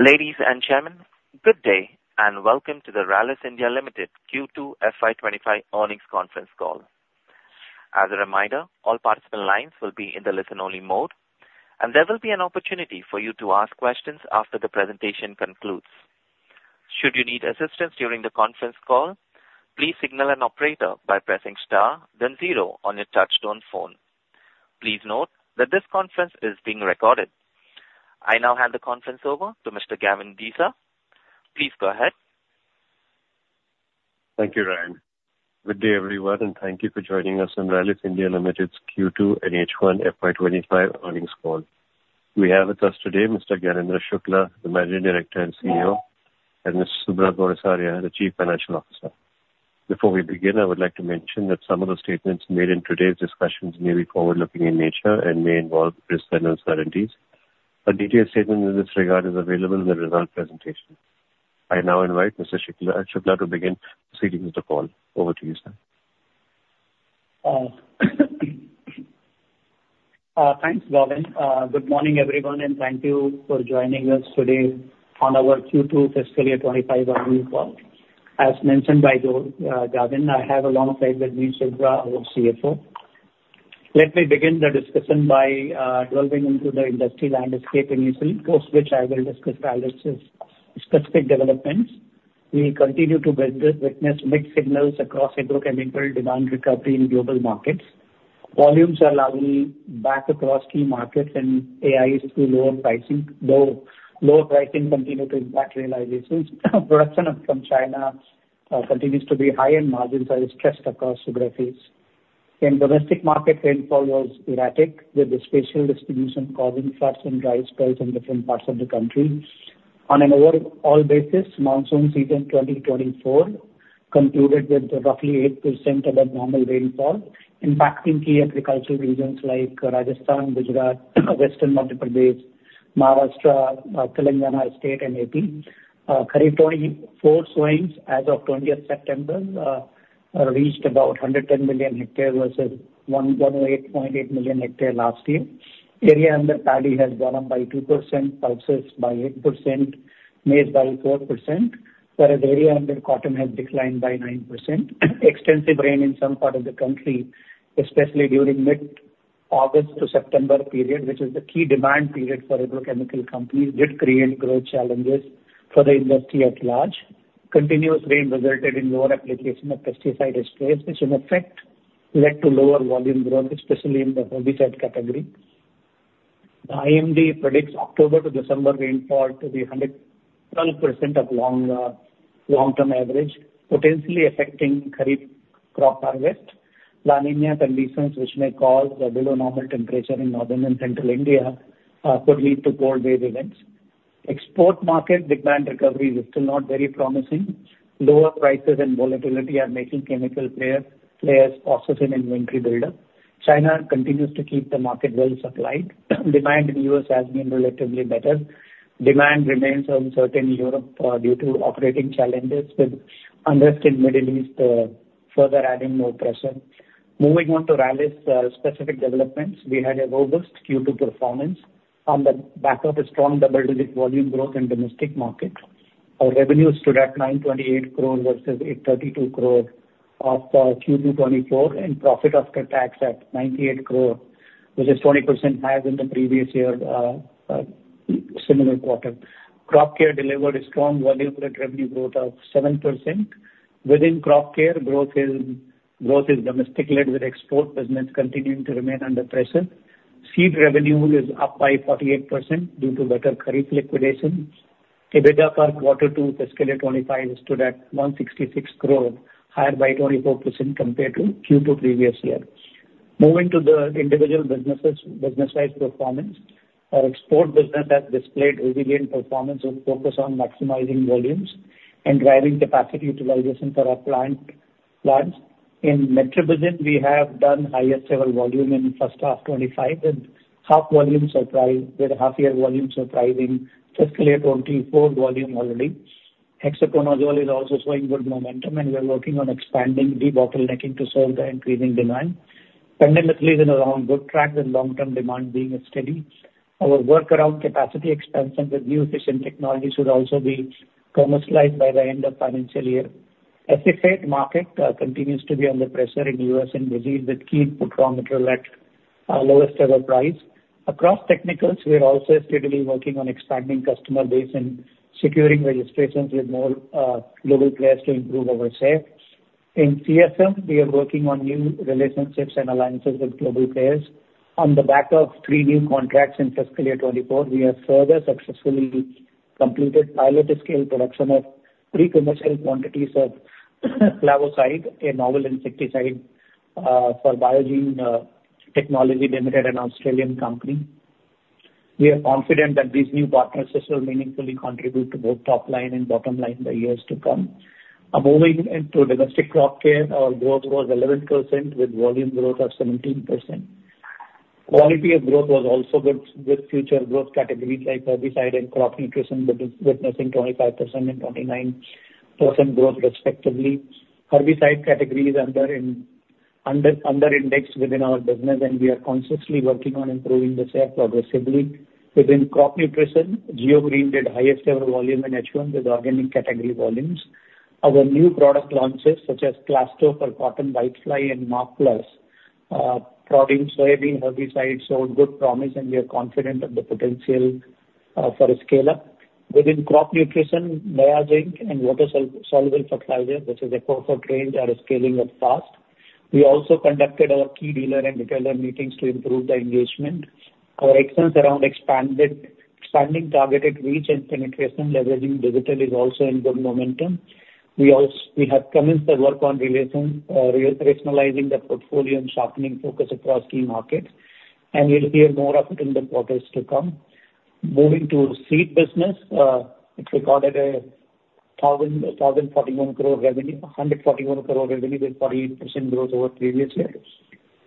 Ladies and gentlemen, good day, and welcome to the Rallis India Limited Q2 FY 2025 earnings conference call. As a reminder, all participant lines will be in the listen-only mode, and there will be an opportunity for you to ask questions after the presentation concludes. Should you need assistance during the conference call, please signal an operator by pressing star then zero on your touchtone phone. Please note that this conference is being recorded. I now hand the conference over to Mr. Gavin Desa. Please go ahead. Thank you, Ryan. Good day, everyone, and thank you for joining us on Rallis India Limited's Q2 and H1 FY 2025 earnings call. We have with us today Mr. Gyanendra Shukla, the Managing Director and CEO, and Ms. Subhra Gourisaria, the Chief Financial Officer. Before we begin, I would like to mention that some of the statements made in today's discussions may be forward-looking in nature and may involve risks and uncertainties. A detailed statement in this regard is available in the results presentation. I now invite Mr. Gyanendra Shukla to begin proceeding with the call. Over to you, sir. Thanks, Gavin. Good morning, everyone, and thank you for joining us today on our Q2 fiscal year 2025 earnings call. As mentioned by Gavin, I have alongside with me Subhra, our CFO. Let me begin the discussion by delving into the industry landscape initially, post which I will discuss Rallis' specific developments. We continue to witness mixed signals across agrochemical demand recovery in global markets. Volumes are lagging back across key markets, and AI is through lower pricing. Low, lower pricing continue to impact realizations. Production from China continues to be high, and margins are stressed across geographies. In domestic market, rainfall was erratic, with the spatial distribution causing floods and dry spells in different parts of the country. On an overall basis, monsoon season 2024 concluded with roughly 8% above normal rainfall, impacting key agricultural regions like Rajasthan, Gujarat, western Madhya Pradesh, Maharashtra, Telangana state and AP. Kharif 2024 sowings as of September 20 reached about 110 million hectares versus 108.8 million hectares last year. Area under paddy has gone up by 2%, pulses by 8%, maize by 4%, whereas area under cotton has declined by 9%. Extensive rain in some part of the country, especially during mid-August to September period, which is the key demand period for agrochemical companies, did create growth challenges for the industry at large. Continuous rain resulted in lower application of pesticide sprays, which in effect led to lower volume growth, especially in the herbicide category. The IMD predicts October to December rainfall to be 112% of long-term average, potentially affecting Kharif crop harvest. La Niña conditions, which may cause a below normal temperature in northern and central India, could lead to cold wave events. Export market demand recovery is still not very promising. Lower prices and volatility are making chemical players cautious in inventory buildup. China continues to keep the market well supplied. Demand in the U.S. has been relatively better. Demand remains uncertain in Europe due to operating challenges, with unrest in Middle East further adding more pressure. Moving on to Rallis' specific developments, we had a robust Q2 performance on the back of a strong double-digit volume growth in domestic market. Our revenue stood at 928 crore versus 832 crore of Q2 2024, and profit after tax at 98 crore, which is 20% higher than the previous year, similar quarter. Crop care delivered a strong volume with revenue growth of 7%. Within crop care, growth is domestic-led, with export business continuing to remain under pressure. Seed revenue is up by 48% due to better Kharif liquidations. EBITDA for quarter two, fiscal year 2025, stood at 166 crore, higher by 24% compared to Q2 previous year. Moving to the individual businesses, business-wide performance. Our export business has displayed resilient performance with focus on maximizing volumes and driving capacity utilization for our clients. In Metribuzin, we have done highest ever volume in first half 2025, and half volumes surprise with half year volumes surprising fiscal year 2024 volume already. Hexaconazole is also showing good momentum, and we are working on expanding debottlenecking to serve the increasing demand. Pendimethalin is around good track with long-term demand being steady. Our workaround capacity expansion with new efficient technology should also be commercialized by the end of financial year. Acephate market continues to be under pressure in U.S. and Brazil, with key protonetrol at our lowest ever price. Across technicals, we are also steadily working on expanding customer base and securing registrations with more global players to improve our share. In CSM, we are working on new relationships and alliances with global players. On the back of three new contracts in fiscal year 2024, we have further successfully completed pilot scale production of pre-commercial quantities of Flavocide, a novel insecticide, for Bio-Gene Technology Limited, an Australian company. We are confident that these new partnerships will meaningfully contribute to both top line and bottom line in the years to come. Moving into domestic crop care, our growth was 11% with volume growth of 17%. Quality of growth was also good, with future growth categories like herbicide and crop nutrition witnessing 25% and 29% growth respectively. Herbicide category is under indexed within our business, and we are consciously working on improving the share progressively. Within crop nutrition, GeoGreen did highest ever volume in H1 with organic category volumes. Our new product launches, such as Clasto for cotton whitefly and Mustard, Presid soybean herbicide, showed good promise, and we are confident of the potential for a scale-up. Within crop nutrition, Neozinc and water soluble fertilizer, which is a portfolio, are scaling up fast. We also conducted our key dealer and retailer meetings to improve the engagement. Our efforts around expanded, expanding targeted reach and penetration, leveraging digital is also in good momentum. We have commenced the work on rationalizing the portfolio and sharpening focus across key markets, and you'll hear more of it in the quarters to come. Moving to seed business, it recorded 1,041 crore revenue, with 48% growth over previous year,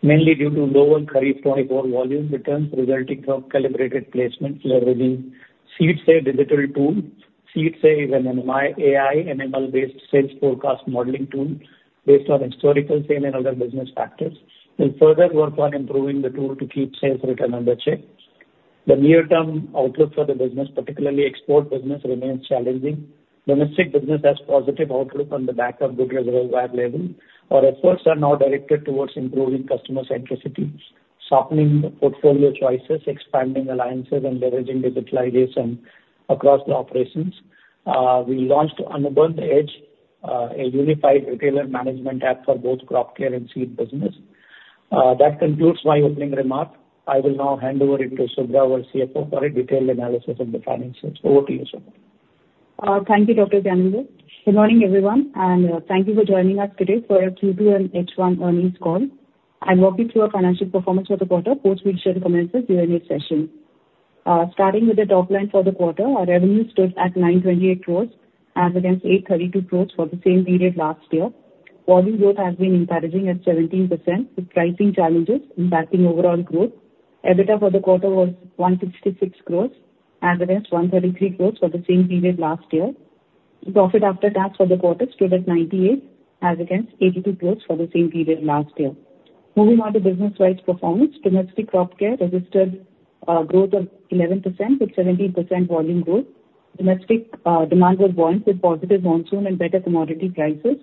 mainly due to lower Kharif 2024 volume returns resulting from calibrated placement, leveraging SeedSafer digital tool. SeedSafer is an AI/ML-based sales forecast modeling tool based on historical, same and other business factors. We'll further work on improving the tool to keep sales return under check. The near-term outlook for the business, particularly export business, remains challenging. Domestic business has positive outlook on the back of good reservoir level. Our efforts are now directed towards improving customer centricity, sharpening the portfolio choices, expanding alliances, and leveraging digitalization across the operations. We launched Anubandh Edge, a unified retailer management app for both crop care and seed business. That concludes my opening remark. I will now hand over to Subhra, our CFO, for a detailed analysis of the finances. Over to you, Subhra. Thank you, Dr. Gyanendra Shukla. Good morning, everyone, and thank you for joining us today for our Q2 and H1 earnings call. I'll walk you through our financial performance for the quarter, post which we'll commence the Q&A session. Starting with the top line for the quarter, our revenue stood at 928 crore as against 832 crore for the same period last year. Volume growth has been encouraging at 17%, with pricing challenges impacting overall growth. EBITDA for the quarter was 156 crore as against 133 crore for the same period last year. Profit after tax for the quarter stood at 98 crore as against 82 crore for the same period last year. Moving on to business-wide performance. Domestic crop care registered growth of 11% with 17% volume growth. Domestic demand was buoyant with positive monsoon and better commodity prices.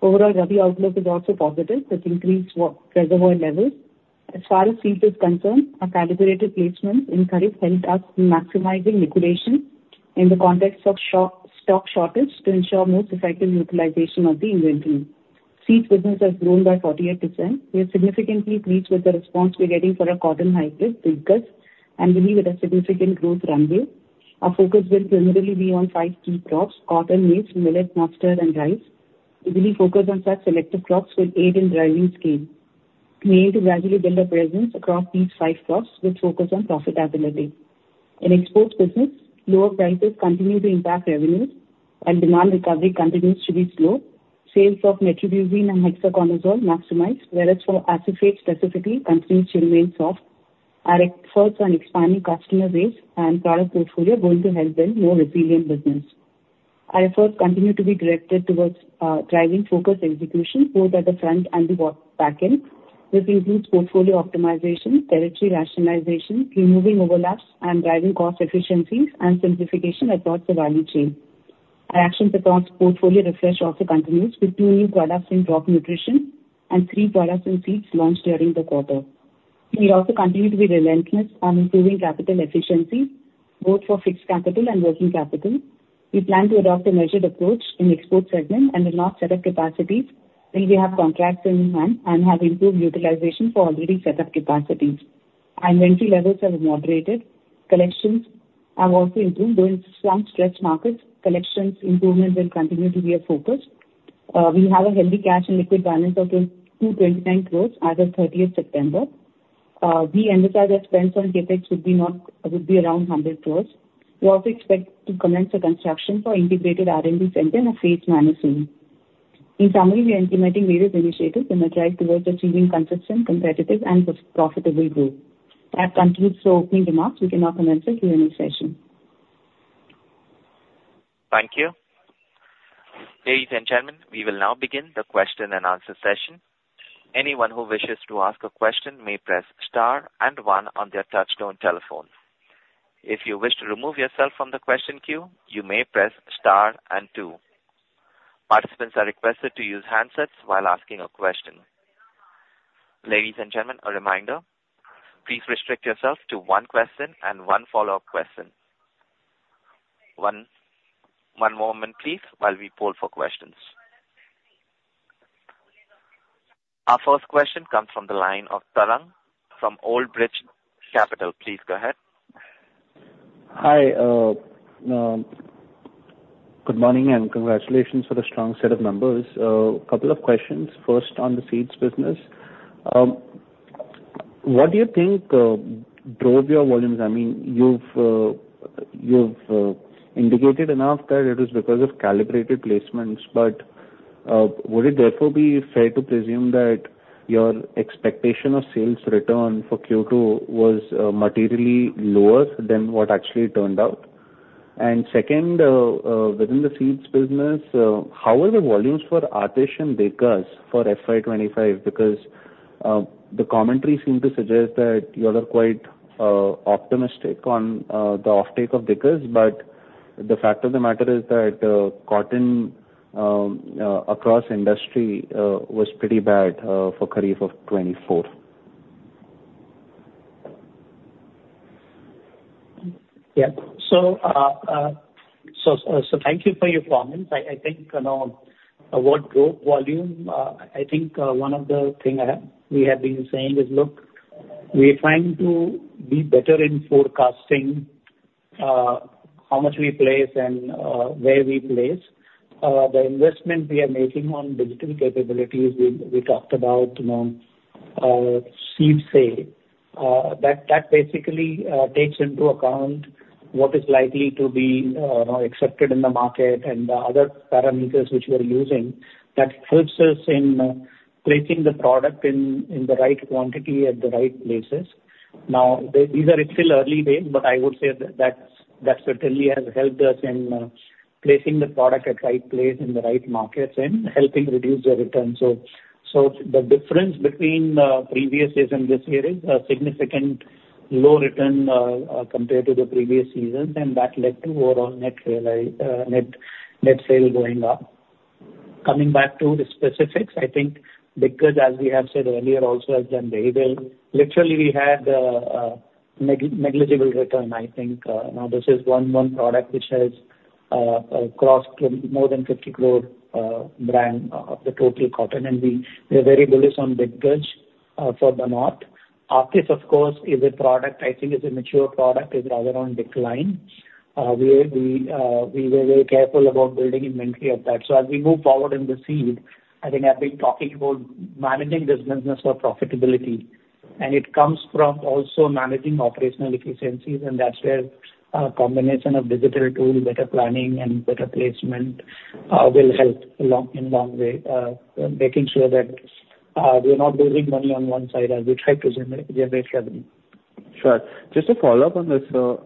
Overall, Rabi outlook is also positive, with increased water reservoir levels. As far as seeds is concerned, our calibrated placements in Kharif helped us maximizing liquidation in the context of short stock shortage to ensure more effective utilization of the inventory. Seeds business has grown by 48%. We are significantly pleased with the response we're getting for our cotton hybrid, Vikas, and believe it a significant growth runway. Our focus will primarily be on five key crops, cotton, maize, millet, mustard, and rice. We believe focus on such selective crops will aid in driving scale. We aim to gradually build a presence across these five crops, which focus on profitability. In exports business, lower prices continue to impact revenues and demand recovery continues to be slow. Sales of Metribuzin and Hexaconazole maximized, whereas for Acephate specifically, consumption still remains soft. Our efforts on expanding customer base and product portfolio going to help build more resilient business. Our efforts continue to be directed towards driving focused execution both at the front and the back end. This includes portfolio optimization, territory rationalization, removing overlaps, and driving cost efficiencies and simplification across the value chain. Our actions towards portfolio refresh also continues, with two new products in crop nutrition and three products in seeds launched during the quarter. We also continue to be relentless on improving capital efficiency, both for fixed capital and working capital. We plan to adopt a measured approach in export segment and will not set up capacities till we have contracts in hand and have improved utilization for already set up capacities. Inventory levels have moderated. Collections have also improved. Though in some stretched markets, collections improvement will continue to be a focus. We have a healthy cash and liquid balance of 229 crore as of September 30. We emphasize that spends on CapEx would be around 100 crore. We also expect to commence the construction for integrated R&D center and seeds manufacturing. In summary, we are implementing various initiatives to mature towards achieving consistent, competitive, and sustainable profitable growth. That concludes the opening remarks. We can now commence the Q&A session. Thank you. Ladies and gentlemen, we will now begin the question and answer session. Anyone who wishes to ask a question may press star and one on their touchtone telephone. If you wish to remove yourself from the question queue, you may press star and two. Participants are requested to use handsets while asking a question. Ladies and gentlemen, a reminder, please restrict yourself to one question and one follow-up question. One moment, please, while we poll for questions. Our first question comes from the line of Tarang from Old Bridge Capital. Please go ahead. Hi, good morning, and congratulations for the strong set of numbers. Couple of questions. First, on the seeds business, what do you think drove your volumes? I mean, you've indicated enough that it was because of calibrated placements, but would it therefore be fair to presume that your expectation of sales return for Q2 was materially lower than what actually turned out? And second, within the seeds business, how are the volumes for Aatish and Diggaz for FY 2025? Because the commentary seemed to suggest that you are quite optimistic on the offtake of Diggaz, but the fact of the matter is that cotton across industry was pretty bad for Kharif of 2024. Yeah. So thank you for your comments. I think, you know, what growth volume, I think, one of the thing we have been saying is, look, we are trying to be better in forecasting, how much we place and, where we place. The investment we are making on digital capabilities, we talked about, you know, seed sale. That basically takes into account what is likely to be, you know, accepted in the market and the other parameters which we are using, that helps us in placing the product in the right quantity at the right places. Now, these are still early days, but I would say that that certainly has helped us in placing the product at right place in the right markets and helping reduce the return. The difference between previous years and this year is a significant low return compared to the previous seasons, and that led to overall net realized net sale going up. Coming back to the specifics, I think because, as we have said earlier, also, Acephate has done very well, literally, we had negligible return, I think. Now, this is one product which has crossed more than 50 crore, brand of the total cotton, and we are very bullish on Diggaz for the north. Aatish, of course, is a product I think is a mature product, is rather on decline. We were very careful about building inventory of that. As we move forward in the seeds, I think I've been talking about managing this business for profitability, and it comes from also managing operational efficiencies, and that's where a combination of digital tool, better planning, and better placement will go a long way. Making sure that we are not burning money on one side as we try to generate revenue. Sure. Just to follow up on this,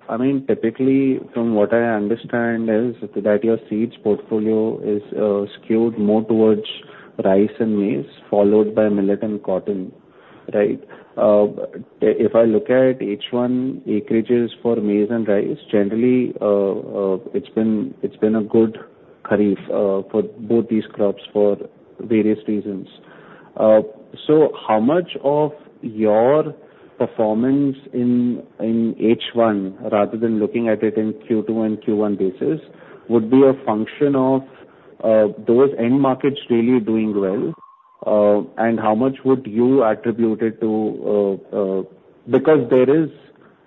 I mean, typically from what I understand is that your seeds portfolio is skewed more towards rice and maize, followed by millet and cotton, right? If I look at H1 acreages for maize and rice, generally, it's been a good Kharif for both these crops for various reasons. So how much of your performance in H1, rather than looking at it in Q2 and Q1 basis, would be a function of those end markets really doing well? And how much would you attribute it to because there is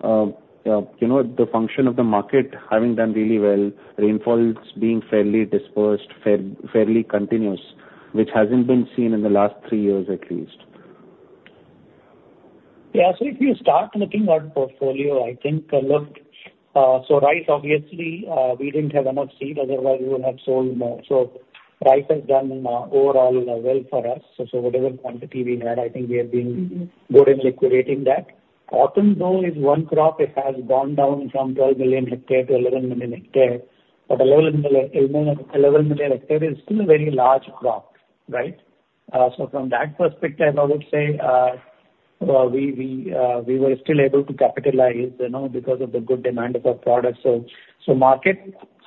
you know, the function of the market having done really well, rainfalls being fairly dispersed, fairly continuous, which hasn't been seen in the last three years at least. Yeah. So if you start looking at portfolio, I think, look, so rice, obviously, we didn't have enough seed, otherwise we would have sold more. So rice has done, overall, well for us. So, so whatever quantity we had, I think we have been good in liquidating that. Cotton, though, is one crop, it has gone down from 12 million hectare to 11 million hectare, but 11 million hectare is still a very large crop, right? So from that perspective, I would say, we were still able to capitalize, you know, because of the good demand of our products. So, so market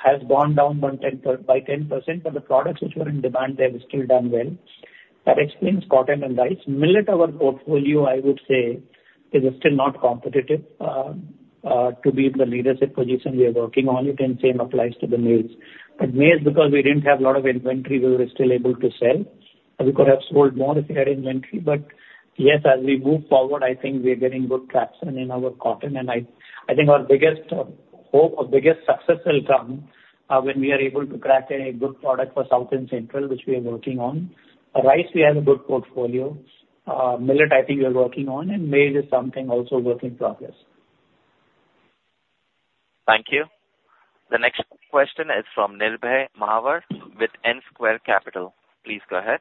has gone down by 10%, but the products which were in demand, they have still done well. That explains cotton and rice. Millet, our portfolio, I would say, is still not competitive to be in the leadership position. We are working on it, and the same applies to the maize. But maize, because we didn't have a lot of inventory, we were still able to sell. We could have sold more if we had inventory, but yes, as we move forward, I think we are getting good traction in our cotton. And I think our biggest hope, our biggest success will come when we are able to crack a good product for South and Central, which we are working on. Rice, we have a good portfolio. Millet, I think we are working on, and maize is something also work in progress. Thank you. The next question is from Nirbhay Mahawar, with N Square Capital. Please go ahead.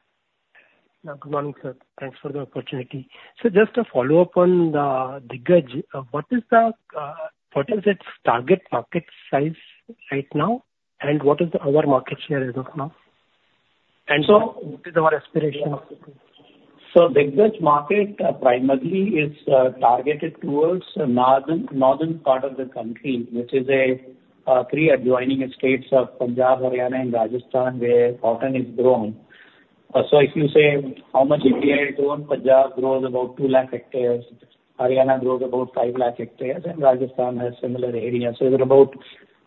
Good morning, sir. Thanks for the opportunity. Just to follow up on the Diggaz, what is its target market size right now, and what is our market share as of now? What is our aspiration of it? Diggaz market primarily is targeted towards northern part of the country, which is three adjoining states of Punjab, Haryana, and Rajasthan, where cotton is grown. If you say how much India is grown, Punjab grows about 2 lakh hectares, Haryana grows about 5 lakh hectares, and Rajasthan has similar areas. It's about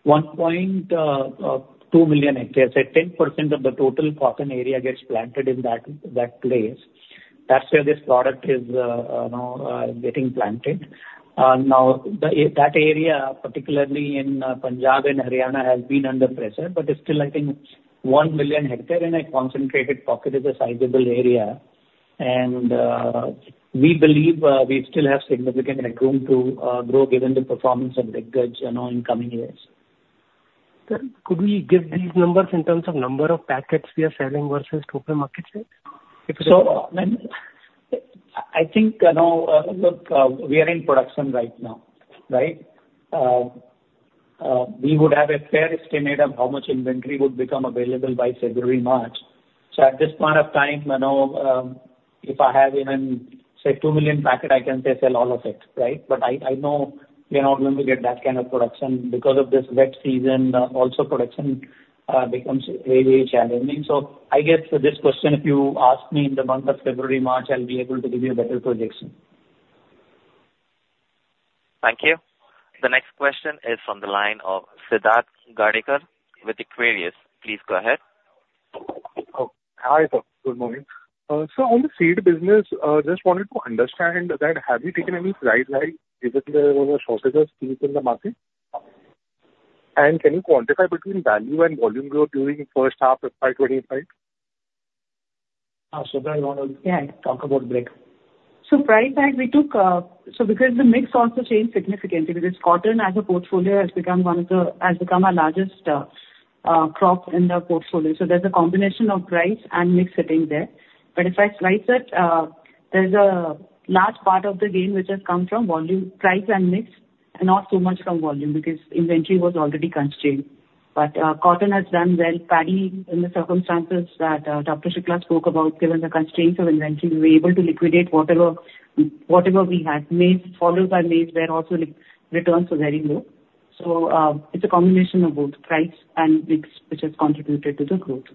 1.2 million hectares. 10% of the total cotton area gets planted in that place. That's where this product is, you know, getting planted. Now, that area, particularly in Punjab and Haryana, has been under pressure, but it's still, I think, 1 million hectare in a concentrated pocket is a sizable area. We believe we still have significant room to grow given the performance of Diggaz, you know, in coming years. Sir, could we give these numbers in terms of number of packets we are selling versus total market share? If it is. I, I think, you know, look, we are in production right now, right? We would have a fair estimate of how much inventory would become available by February, March. So at this point of time, you know, if I have even, say, 2 million packet, I can say sell all of it, right? But I know we are not going to get that kind of production because of this wet season. Also, production becomes very challenging. So I guess this question, if you ask me in the month of February, March, I'll be able to give you a better projection. Thank you. The next question is from the line of Siddharth Gadekar with Equirus Securities. Please go ahead. Oh, hi, sir. Good morning. So on the seed business, just wanted to understand that have you taken any price hike, given the shortages seen in the market? And can you quantify between value and volume growth during the first half of five 2025? Subhra, you want to- Yeah. Talk about break. So price hike, we took, so because the mix also changed significantly, because cotton as a portfolio has become our largest crop in the portfolio. So there's a combination of price and mix sitting there. But if I slice it, there's a large part of the gain which has come from volume, price and mix, and not so much from volume, because inventory was already constrained. But, cotton has done well. Paddy, in the circumstances that Dr. Shukla spoke about, given the constraints of inventory, we were able to liquidate whatever we had. Maize, where also returns were very low. So, it's a combination of both price and mix, which has contributed to the growth.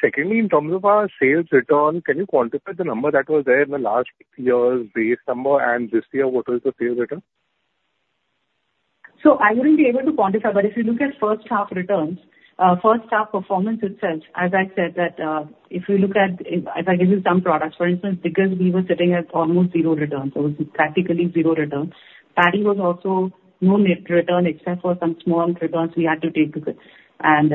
Secondly, in terms of our sales return, can you quantify the number that was there in the last year's base number and this year, what was the sales return? So I wouldn't be able to quantify, but if you look at first half returns, first half performance itself, as I said that, if you look at, if I give you some products, for instance, because we were sitting at almost zero returns, it was practically zero returns. Paddy was also no net return except for some small returns we had to take to the... and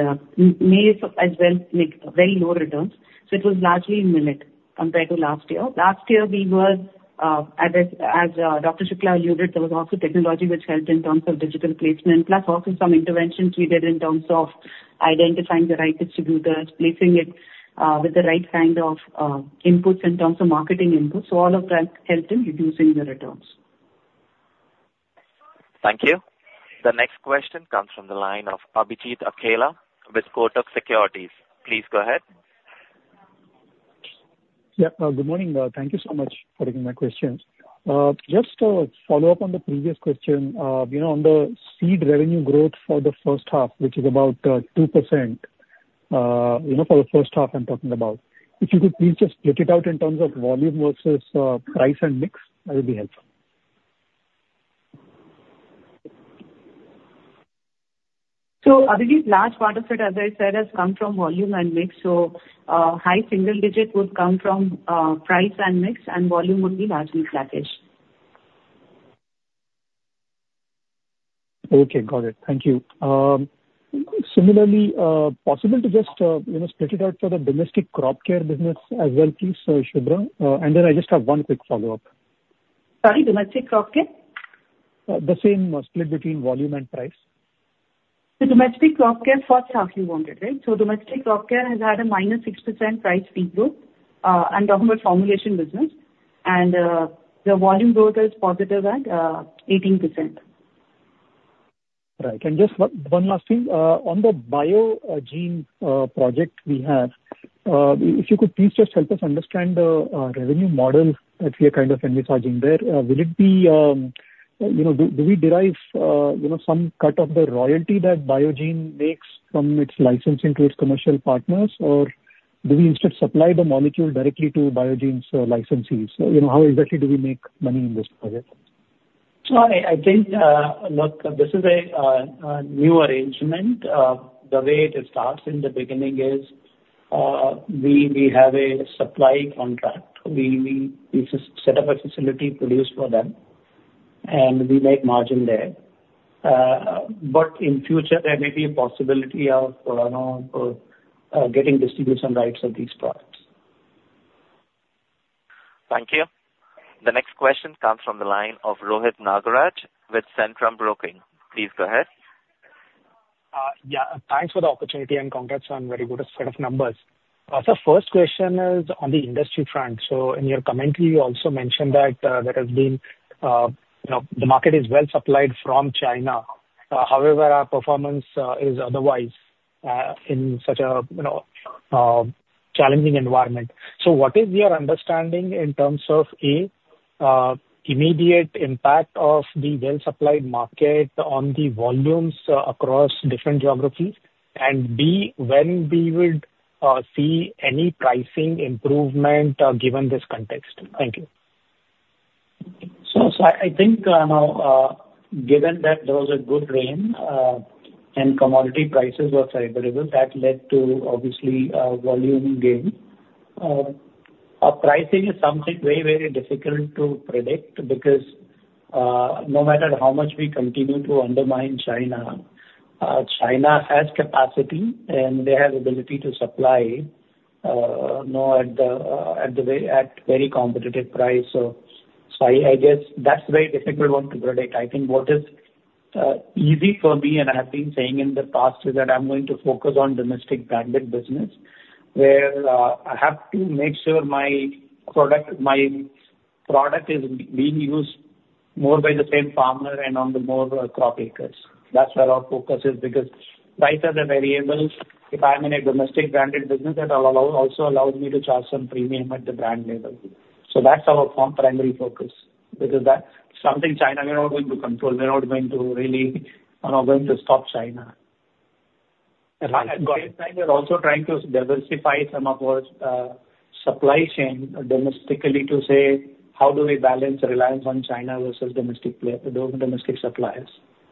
maize as well, maize very low returns. So it was largely millet compared to last year. Last year we were, as Dr. Shukla alluded, there was also technology which helped in terms of digital placement, plus also some interventions we did in terms of identifying the right distributors, placing it with the right kind of inputs in terms of marketing inputs. So all of that helped in reducing the returns. Thank you. The next question comes from the line of Abhijit Akella with Kotak Securities. Please go ahead. Yeah, good morning. Thank you so much for taking my questions. Just a follow-up on the previous question. You know, on the seed revenue growth for the first half, which is about 2%, you know, for the first half I'm talking about. If you could please just split it out in terms of volume versus price and mix, that would be helpful. Abhijit, large part of it, as I said, has come from volume and mix. High single digit would come from price and mix, and volume would be largely flattish. Okay, got it. Thank you. Similarly, possible to just, you know, split it out for the domestic crop care business as well, please, Subhra? And then I just have one quick follow-up. Sorry, domestic crop care? The same split between volume and price. The domestic crop care first half you wanted, right, so domestic crop care has had a minus 6% price-led growth. I'm talking about formulation business, and the volume growth is positive at 18%. Right. And just one last thing. On the Bio-Gene project we have, if you could please just help us understand the revenue model that we are kind of envisaging there. Will it be, you know, do we derive, you know, some cut of the royalty that Bio-Gene makes from its licensing to its commercial partners? Or do we instead supply the molecule directly to Bio-Gene's licensees? So, you know, how exactly do we make money in this project? I think, look, this is a new arrangement. The way it starts in the beginning is, we set up a facility produce for them, and we make margin there. But in future, there may be a possibility of getting distribution rights of these products. Thank you. The next question comes from the line of Rohit Nagraj with Centrum Broking. Please go ahead. Yeah, thanks for the opportunity and congrats on very good set of numbers. So first question is on the industry front. So in your commentary, you also mentioned that there has been, you know, the market is well supplied from China. However, our performance is otherwise in such a, you know, challenging environment. So what is your understanding in terms of, A, immediate impact of the well-supplied market on the volumes across different geographies? And B, when we will see any pricing improvement given this context? Thank you. So I think now, given that there was a good rain and commodity prices were favorable, that led to obviously a volume gain. Pricing is something very, very difficult to predict, because no matter how much we continue to undermine China, China has capacity and they have ability to supply, you know, at very competitive price. So I guess that's very difficult one to predict. I think what is easy for me, and I have been saying in the past, is that I'm going to focus on domestic branded business, where I have to make sure my product is being used more by the same farmer and on the more crop acres. That's where our focus is, because price are the variables. If I'm in a domestic branded business, that also allows me to charge some premium at the brand level. So that's our main primary focus. Because that something China, we're not going to control, we're not going to really, we're not going to stop China. Right. Got it. At the same time, we're also trying to diversify some of our supply chain domestically to say, how do we balance the reliance on China versus domestic player, those domestic suppliers,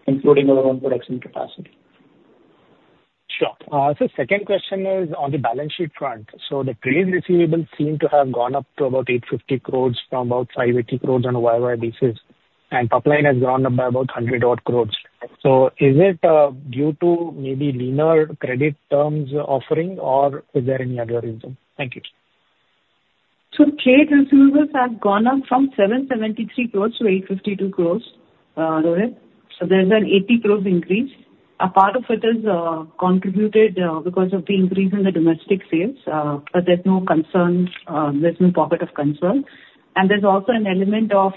including our own production capacity? Sure. So second question is on the balance sheet front. So the trade receivables seem to have gone up to about 850 crore from about 580 crore on a Y-O-Y basis, and top line has gone up by about 100-odd crore. So is it due to maybe leaner credit terms offering, or is there any other reason? Thank you. So trade receivables have gone up from 773 crores to 852 crores, Rohit. So there's an 80 crores increase. A part of it is contributed because of the increase in the domestic sales, but there's no concerns, there's no pocket of concern. And there's also an element of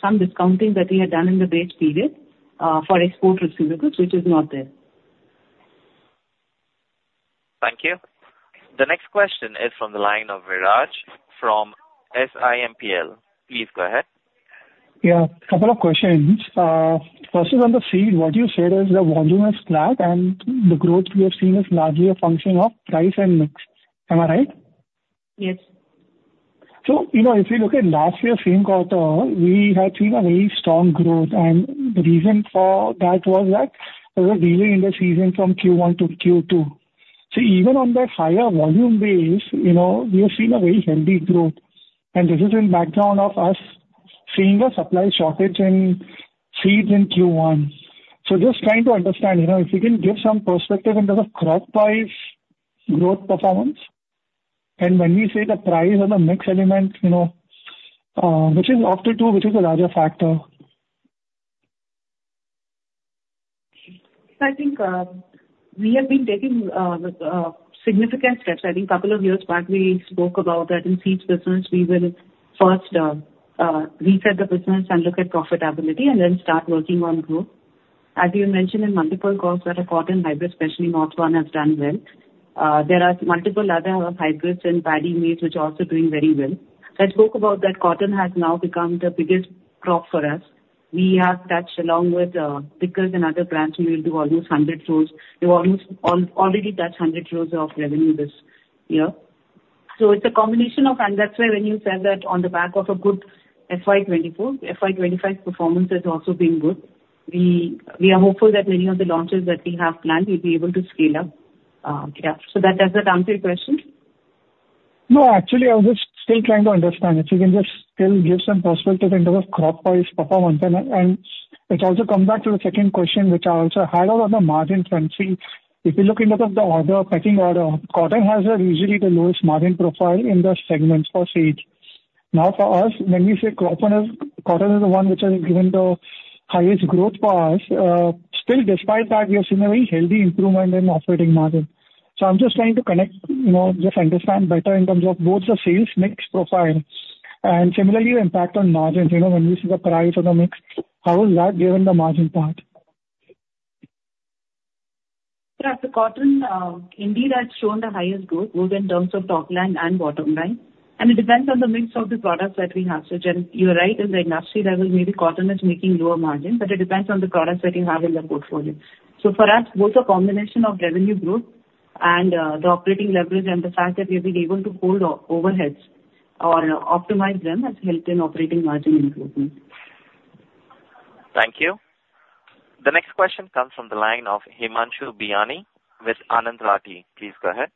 some discounting that we had done in the base period for export receivables, which is not there. Thank you. The next question is from the line of Viraj from SiMPL. Please go ahead. Yeah, couple of questions. First is on the seed. What you said is the volume is flat, and the growth we have seen is largely a function of price and mix. Am I right? Yes. So, you know, if we look at last year's same quarter, we had seen a very strong growth, and the reason for that was that there was a delay in the season from Q1 to Q2. So even on that higher volume base, you know, we have seen a very healthy growth, and this is in background of us seeing a supply shortage in seeds in Q1. So just trying to understand, you know, if you can give some perspective in terms of crop wise growth performance, and when we say the price or the mix element, you know, which is of the two, which is the larger factor? I think we have been taking significant steps. I think couple of years back, we spoke about that in seeds business, we will first reset the business and look at profitability and then start working on growth. As you mentioned in multiple calls that are cotton hybrids, especially North one, have done well. There are multiple other hybrids and paddy mates which are also doing very well. I spoke about that cotton has now become the biggest crop for us. We have touched along with pickles and other brands, we will do almost 100 crore. We've almost already touched 100 crore of revenue this year. So it's a combination of... And that's why when you said that on the back of a good FY 2024, FY 2025's performance has also been good. We are hopeful that many of the launches that we have planned, we'll be able to scale up. Yeah. So that does that answer your question? No, actually, I was just still trying to understand. If you can just still give some perspective in terms of crop wise performance. And let's also come back to the second question, which I also had on the margin front. See, if you look in terms of the order, pecking order, cotton has usually the lowest margin profile in the segment for seeds. Now, for us, when we say cotton is, cotton is the one which has given the highest growth for us, still despite that, we are seeing a very healthy improvement in operating margin. So I'm just trying to connect, you know, just understand better in terms of both the sales mix profile and similarly, the impact on margins. You know, when we see the price or the mix, how is that driven the margin part? Yeah, the cotton indeed has shown the highest growth, both in terms of top line and bottom line, and it depends on the mix of the products that we have. So you're right, in the industry level, maybe cotton is making lower margins, but it depends on the products that you have in the portfolio. So for us, both a combination of revenue growth and the operating leverage and the fact that we've been able to hold overheads or optimize them has helped in operating margin improvement. Thank you. The next question comes from the line of Himanshu Binani with Anand Rathi. Please go ahead.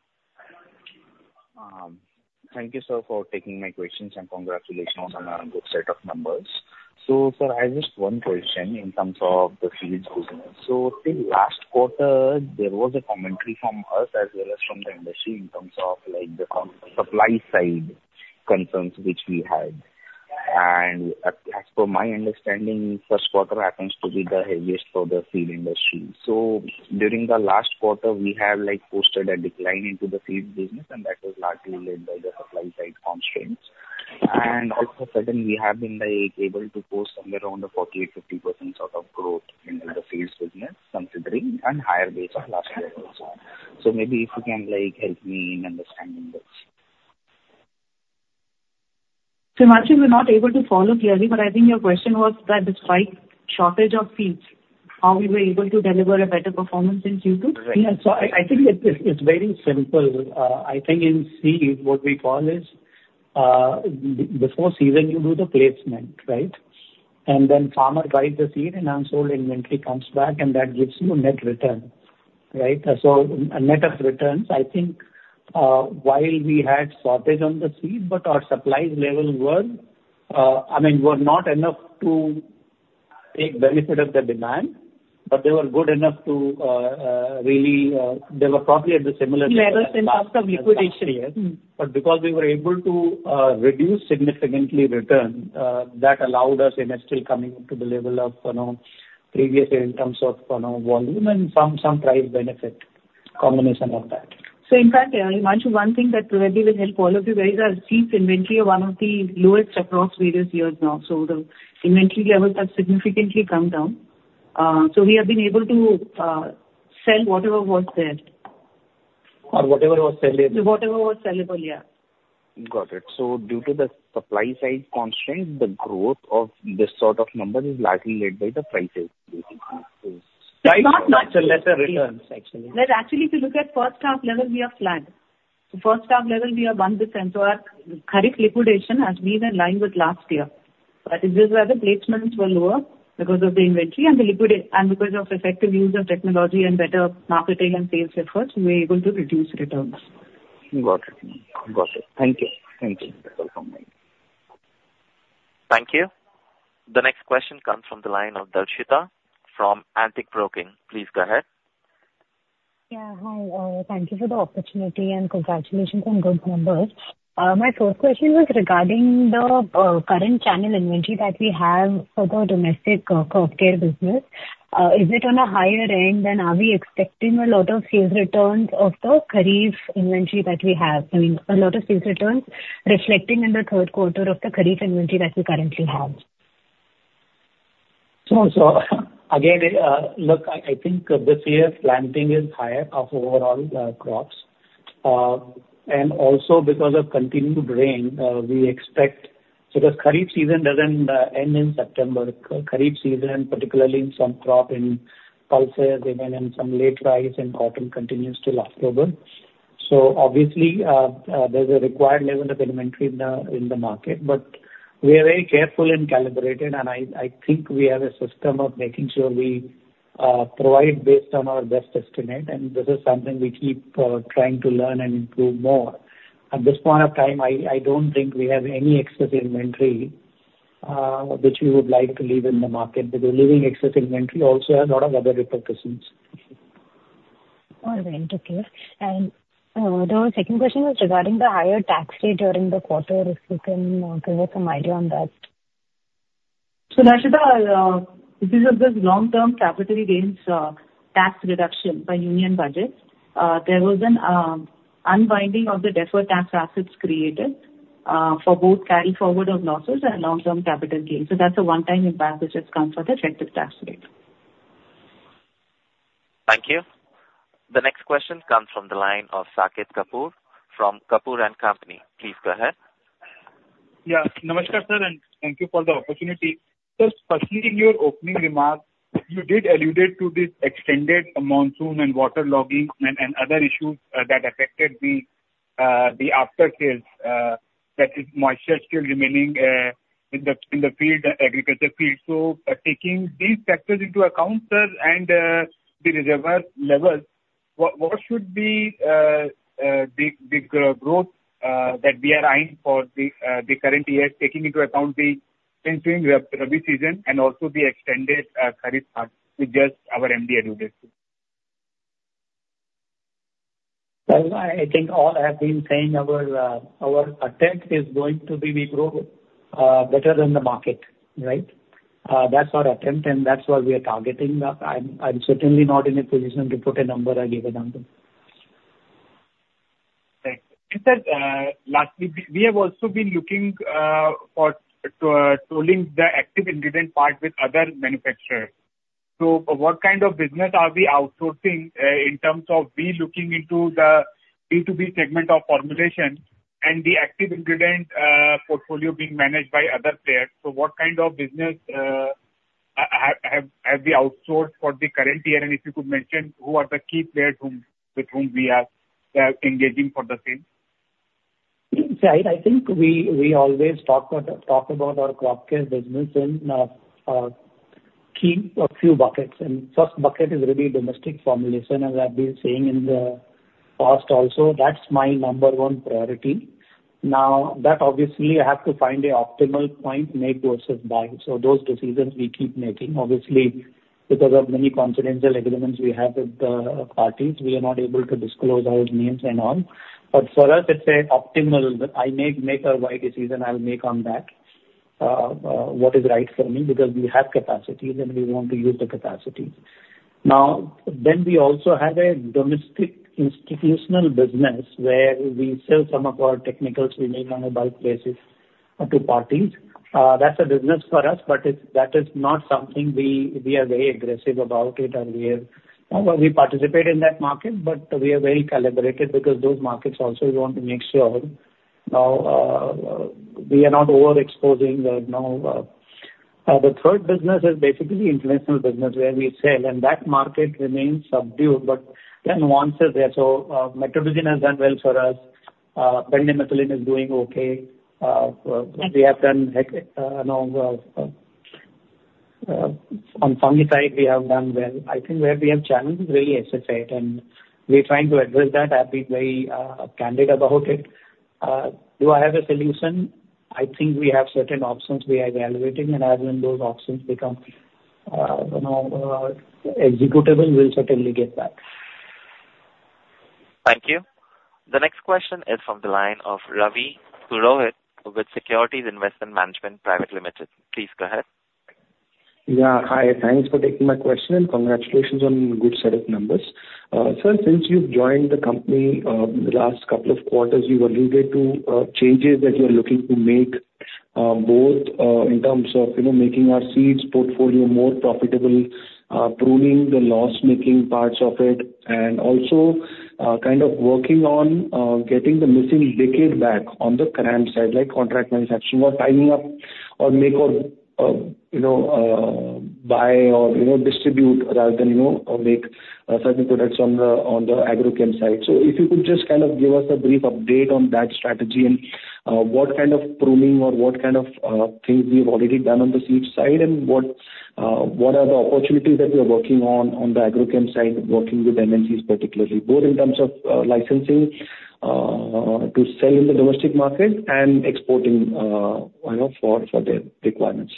Thank you, sir, for taking my questions, and congratulations on a good set of numbers. So sir, I have just one question in terms of the seeds business. So I think last quarter, there was a commentary from us as well as from the industry, in terms of, like, the supply side concerns which we had. And as per my understanding, first quarter happens to be the heaviest for the seed industry. So during the last quarter, we have, like, posted a decline into the seeds business, and that was largely led by the supply side constraints. And all of a sudden, we have been, like, able to post somewhere around a 40%-50% sort of growth in the seeds business, considering and higher base of last year also. So maybe if you can, like, help me in understanding this. Himanshu, we're not able to follow clearly, but I think your question was that despite shortage of seeds, how we were able to deliver a better performance in Q2? Yeah. So I think it's very simple. I think in seed, what we call is before season, you do the placement, right? And then farmer buys the seed, and unsold inventory comes back, and that gives you a net return, right? So a net of returns, I think, while we had shortage on the seed, but our supply levels were, I mean, were not enough to take benefit of the demand, but they were good enough to really, they were probably at the similar- Level in terms of liquidation, yes. Mm-hmm. But because we were able to reduce significantly return, that allowed us in still coming to the level of, you know, previous in terms of, you know, volume and some price benefit, combination of that. So in fact, Himanshu, one thing that really will help all of you guys, our channel inventory are one of the lowest across various years now. So the inventory levels have significantly come down. So we have been able to sell whatever was there. Or whatever was sellable. Whatever was sellable, yeah. Got it. So due to the supply side constraint, the growth of this sort of number is largely led by the prices, basically. It's not much, Lesser returns, actually. Actually, if you look at first-half level, we are flat, so first-half level, we are 1%. Our Kharif liquidation has been in line with last year, but it is where the placements were lower because of the inventory and because of effective use of technology and better marketing and sales efforts, we were able to reduce returns. Got it. Got it. Thank you. Thank you. You're welcome. Thank you. The next question comes from the line of Darshita from Antique Stock Broking. Please go ahead. Yeah, hi. Thank you for the opportunity, and congratulations on good numbers. My first question was regarding the current channel inventory that we have for the domestic crop care business. Is it on a higher end, and are we expecting a lot of sales returns of the Kharif inventory that we have? I mean, a lot of sales returns reflecting in the third quarter of the Kharif inventory that we currently have. So again, look, I think this year, planting is higher of overall crops. And also because of continued rain, we expect. So the Kharif season doesn't end in September. Kharif season, particularly in some crop, in pulses, even in some late rice and cotton continues till October. So obviously, there's a required level of inventory in the market. But we are very careful and calibrated, and I think we have a system of making sure we provide based on our best estimate, and this is something we keep trying to learn and improve more. At this point of time, I don't think we have any excess inventory which we would like to leave in the market, because leaving excess inventory also has a lot of other repercussions. All right. Okay. And, the second question was regarding the higher tax rate during the quarter, if you can, give us some idea on that? So Darshita, because of this long-term capital gains tax reduction by Union Budget, there was an unwinding of the deferred tax assets created for both carry forward of losses and long-term capital gains. So that's a one-time impact which has come for the effective tax rate. Thank you. The next question comes from the line of Saket Kapoor from Kapoor & Co. Please go ahead. Yeah. Namaste, sir, and thank you for the opportunity. So firstly, in your opening remarks, you did allude to this extended monsoon and waterlogging and other issues that affected the aftersales, that is moisture still remaining in the agricultural field. So taking these factors into account, sir, and the reserve levels, what should be the growth that we are eyeing for the current year, taking into account the changing Rabi season and also the extended Kharif part, which just our MD alluded to? I think all I have been saying, our attempt is going to be we grow better than the market, right? That's our attempt, and that's what we are targeting. I'm certainly not in a position to put a number or give a number. Thanks. And sir, lastly, we have also been looking to tolling the active ingredient part with other manufacturers. So what kind of business are we outsourcing in terms of we looking into the B2B segment of formulation and the active ingredient portfolio being managed by other players? So what kind of business have we outsourced for the current year? And if you could mention who are the key players with whom we are engaging for the same? Yeah, I think we always talk about our crop care business in a few key buckets. First bucket is really domestic formulation. As I've been saying in the past also, that's my number one priority. Now, that obviously I have to find an optimal point, make versus buy. So those decisions we keep making. Obviously, because of many confidential agreements we have with parties, we are not able to disclose those names and all. But for us, it's an optimal make-or-buy decision. I'll make on that what is right for me, because we have capacities and we want to use the capacities. Now, then we also have a domestic institutional business where we sell some of our technicals we make on a bulk basis to parties. That's a business for us, but it's, that is not something we are very aggressive about it, and we are well, we participate in that market, but we are very calibrated because those markets also we want to make sure now we are not overexposing the, you know. The third business is basically international business, where we sell, and that market remains subdued, but there are nuances there. So, Metribuzin has done well for us. Pendimethalin is doing okay. We have done, you know, on fungicide we have done well. I think where we have challenges is really SSRI, and we're trying to address that. I've been very candid about it. Do I have a solution? I think we have certain options we are evaluating, and as when those options become, you know, executable, we'll certainly get back. Thank you. The next question is from the line of Ravi Purohit with Securities Investment Management Private Limited. Please go ahead. Yeah. Hi, thanks for taking my question, and congratulations on good set of numbers. Sir, since you've joined the company, the last couple of quarters, you've alluded to changes that you're looking to make, both in terms of, you know, making our seeds portfolio more profitable, pruning the loss-making parts of it, and also kind of working on getting the missing decade back on the current side, like contract manufacturing or timing up or make or, you know, buy or, you know, distribute rather than, you know, make certain products on the, on the agrochem side. So if you could just kind of give us a brief update on that strategy and what kind of pruning or what kind of things we've already done on the seeds side, and what are the opportunities that we are working on, on the agrochem side, working with MNCs particularly, both in terms of licensing to sell in the domestic market and exporting, you know, for the requirements.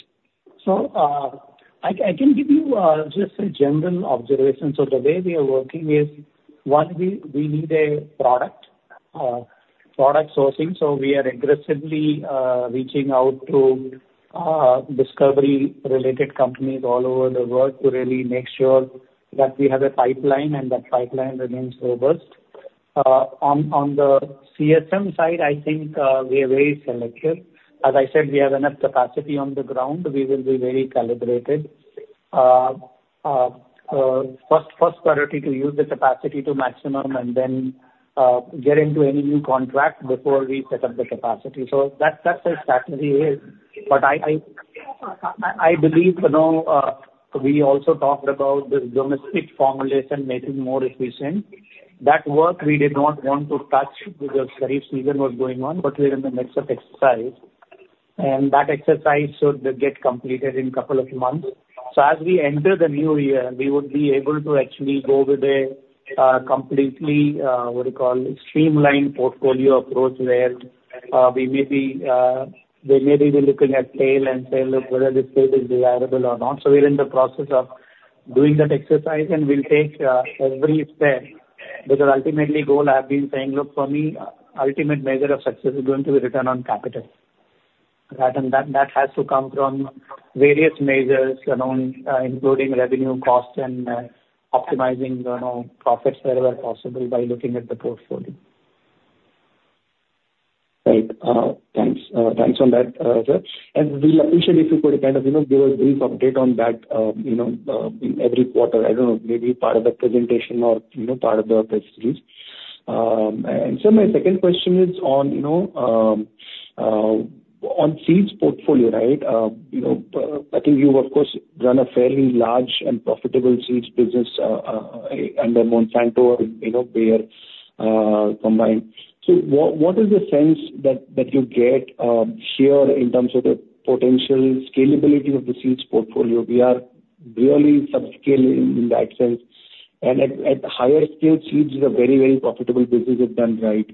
I can give you just a general observation. The way we are working is, one, we need a product, product sourcing, so we are aggressively reaching out to discovery-related companies all over the world to really make sure that we have a pipeline, and that pipeline remains robust. On the CSM side, I think we are very selective. As I said, we have enough capacity on the ground. We will be very calibrated. First priority to use the capacity to maximum and then get into any new contract before we set up the capacity. That, that's our strategy is. I believe, you know, we also talked about this domestic formulation making more efficient. That work we did not want to touch because the season was going on, but we're in the midst of exercise, and that exercise should get completed in couple of months. So as we enter the new year, we would be able to actually go with a completely what do you call it? Streamlined portfolio approach, where we may be we may be looking at tail and saying, "Look, whether this tail is desirable or not." So we're in the process of doing that exercise, and we'll take every step, because ultimately, goal I've been saying, look, for me, ultimate measure of success is going to be return on capital. Right, and that, that has to come from various measures, you know, including revenue costs and optimizing, you know, profits wherever possible by looking at the portfolio. Right. Thanks on that, sir. We'll appreciate if you could kind of, you know, give a brief update on that, you know, in every quarter. I don't know, maybe part of the presentation or, you know, part of the press release. So my second question is on, you know, on seeds portfolio, right? You know, I think you of course run a fairly large and profitable seeds business under Monsanto or, you know, Bayer combined. So what is the sense that you get here in terms of the potential scalability of the seeds portfolio? We are really subscale in that sense, and at higher scale, seeds is a very, very profitable business if done right.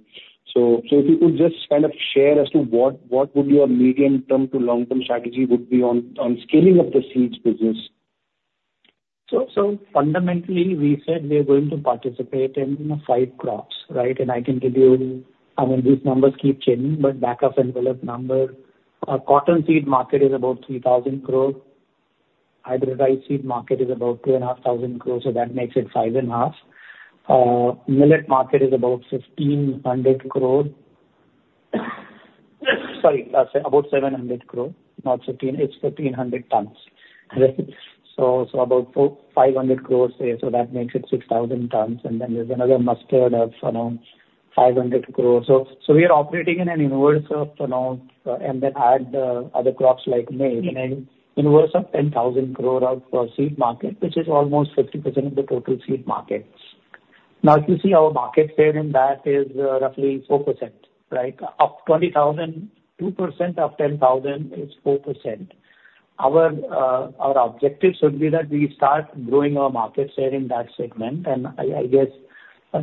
If you could just kind of share as to what would be your medium-term to long-term strategy would be on scaling of the seeds business? Fundamentally, we said we are going to participate in five crops, right? And I can give you, I mean, these numbers keep changing, but back-of-the-envelope number, our cotton seed market is about 3,000 crore. Hybrid rice seed market is about 2,500 crore, so that makes it 5,500 crore. Millet market is about 1,500 crore. Sorry, about 700 crore, not fifteen. It's 1,500 tons. So, about 400-500 crore there, so that makes it 6,000 tons. And then there's another mustard of around 500 crore. So, we are operating in a universe of around, and then add the other crops like maize, in a universe of 10,000 crore of seed market, which is almost 50% of the total seed market. Now, if you see our market share in that is, roughly 4%, right? Of 20,000, 2% of 10,000 is 4%. Our our objective should be that we start growing our market share in that segment, and I guess,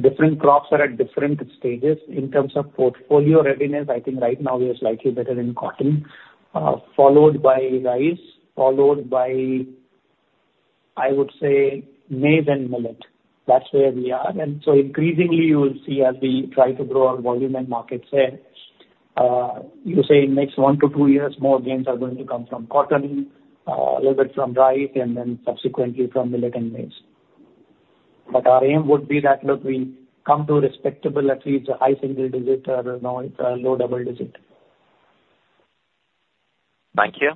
different crops are at different stages. In terms of portfolio readiness, I think right now we are slightly better in cotton, followed by rice, followed by, I would say, maize and millet. That's where we are. And so increasingly you will see as we try to grow our volume and market share, you say next one to two years, more gains are going to come from cotton, a little bit from rice, and then subsequently from millet and maize. But our aim would be that, look, we come to respectable, at least a high single digit, you know, low double digit. Thank you.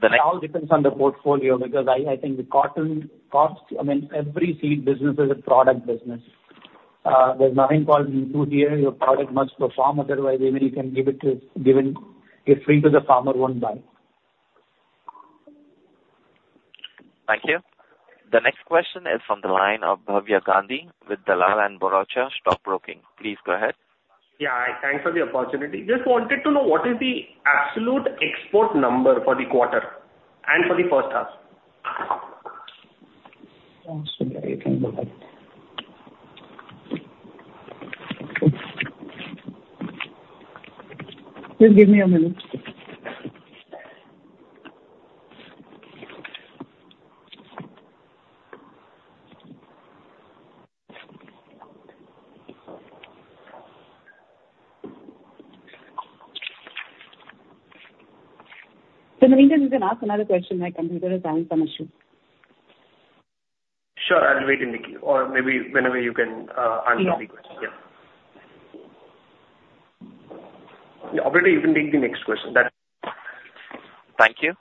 The next- It all depends on the portfolio, because I, I think the cotton costs, I mean, every seed business is a product business. There's nothing called two-tier. Your product must perform, otherwise even you can give it free to the farmer, won't buy. Thank you. The next question is from the line of Bhavya Gandhi with Dalal & Broacha Stock Broking. Please go ahead. Yeah, thanks for the opportunity. Just wanted to know what is the absolute export number for the quarter and for the first half? So you can go ahead. Please give me a minute. So, Muninder, you can ask another question. My computer is having some issue. Sure, I'll wait in the queue or maybe whenever you can answer the question. Yeah. Yeah. Yeah, Operator, you can take the next question. That. Thank you.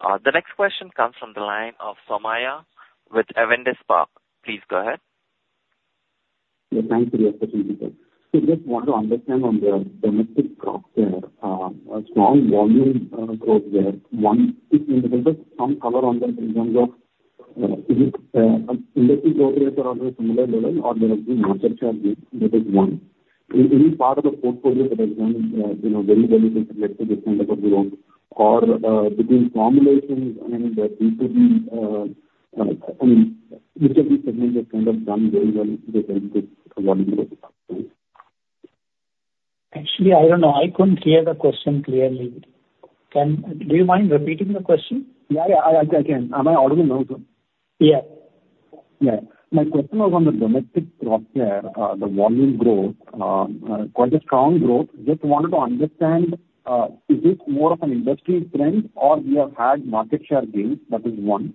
The next question comes from the line of Somaiah with Avendus Spark. Please go ahead. Yeah, thanks for the opportunity, sir. So just want to understand on the domestic crop care, a strong volume growth there. One, just some color on them in terms of industry growth rates are also similar level or there has been market share gain. That is one. Any part of the portfolio that has done, you know, very, very significantly, kind of growth or between formulations, I mean, the B2B, I mean, each of these segments have kind of done very well with very good volume. Actually, I don't know. I couldn't hear the question clearly. Do you mind repeating the question? Yeah, yeah, I, I can. Am I audible now, sir? Yeah. Yeah. My question was on the domestic crop share, the volume growth, quite a strong growth. Just wanted to understand, is this more of an industry trend or we have had market share gains? That is one.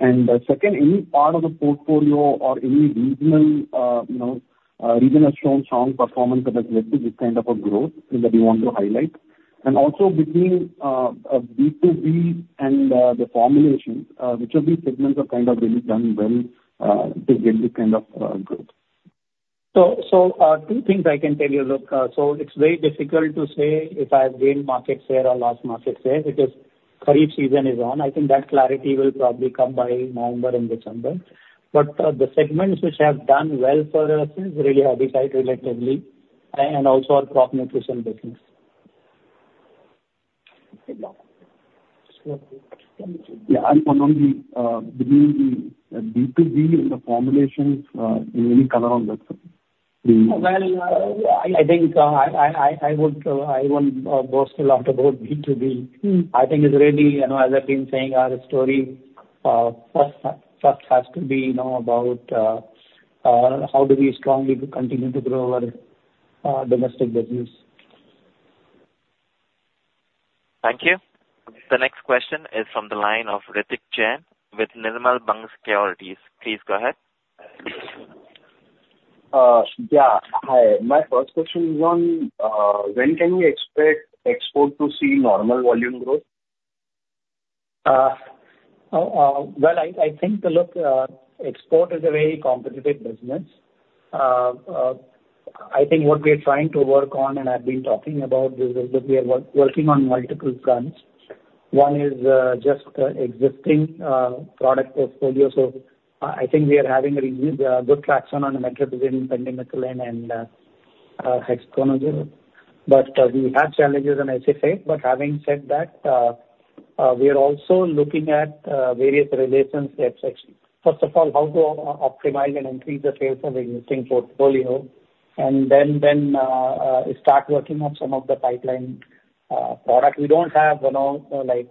And, second, any part of the portfolio or any regional, you know, region has shown strong performance that has led to this kind of a growth that you want to highlight. And also between, B2B and, the formulations, which of these segments have kind of really done well, to get this kind of, growth? Two things I can tell you. Look, so it's very difficult to say if I have gained market share or lost market share because Kharif season is on. I think that clarity will probably come by November and December. The segments which have done well for us is really herbicide, relatively, and also our crop nutrition business. Yeah. And between the B2B and the formulations, any color on that, sir? I think I won't boast a lot about B2B. I think it's really, you know, as I've been saying, our story, first has to be, you know, about how do we strongly continue to grow our domestic business. Thank you. The next question is from the line of Ritik Jain with Nirmal Bang Securities. Please go ahead. Yeah, hi. My first question is on, when can we expect export to see normal volume growth? Well, I think, look, export is a very competitive business. I think what we are trying to work on, and I've been talking about, is that we are working on multiple fronts. One is just existing product portfolio. So I think we are having a really good traction on metribuzin, pendimethalin, and hexaconazole. But we have challenges on. But having said that, we are also looking at various levers such as, first of all, how to optimize and increase the sales of existing portfolio, and then start working on some of the pipeline product. We don't have, you know, like,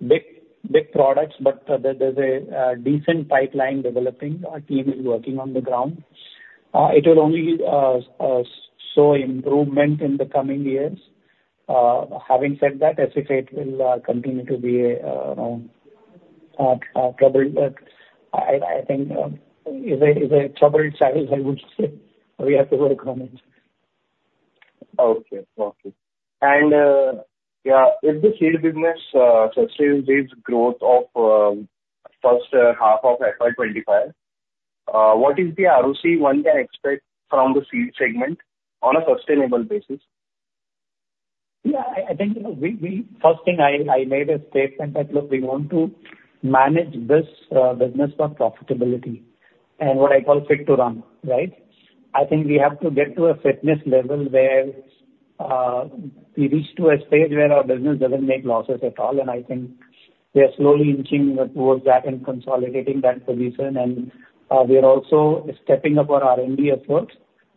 big, big products, but there, there's a decent pipeline developing. Our team is working on the ground. It will only show improvement in the coming years. Having said that, as it will continue to be troubled, but I think it's a troubled size, I would say. We have to work on it. Okay. Okay. And, yeah, if the seed business sustains its growth of first half of FY 2025, what is the ROC one can expect from the seed segment on a sustainable basis? Yeah, I think, you know, we. First thing I made a statement that, look, we want to manage this business for profitability and what I call fit to run, right? I think we have to get to a fitness level where we reach to a stage where our business doesn't make losses at all, and I think we are slowly inching towards that and consolidating that position. And we are also stepping up our R&D efforts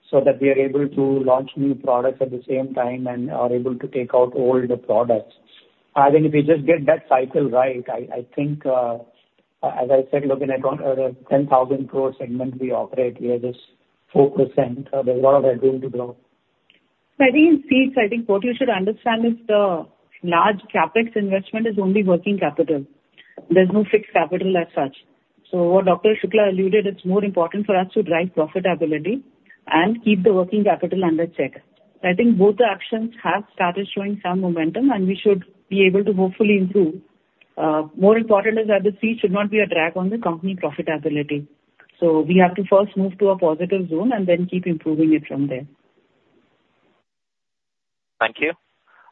so that we are able to launch new products at the same time and are able to take out older products. I think if we just get that cycle right, I think, as I said, look, in a ten thousand crore segment we operate, we are just 4%. There's a lot of room to grow. I think in seeds, I think what you should understand is the large CapEx investment is only working capital. There's no fixed capital as such. So what Dr. Shukla alluded, it's more important for us to drive profitability and keep the working capital under check. I think both the actions have started showing some momentum, and we should be able to hopefully improve. More important is that the seeds should not be a drag on the company profitability. So we have to first move to a positive zone and then keep improving it from there. Thank you.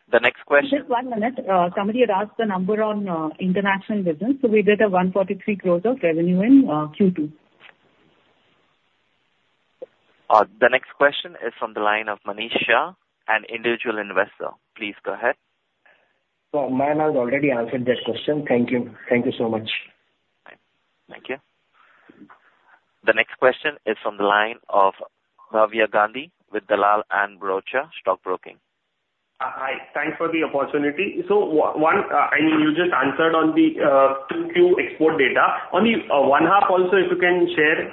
The next question. Just one minute. Somebody had asked the number on international business, so we did a 143% growth of revenue in Q2. The next question is from the line of Manish Shah, an individual investor. Please go ahead. So Manish, I've already answered this question. Thank you. Thank you so much. Thank you. The next question is from the line of Bhavya Gandhi with Dalal & Broacha Stock Broking. Hi. Thanks for the opportunity. So, on H1, I mean, you just answered on the Q2 export data. On the H1 also, if you can share